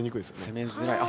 せめづらい。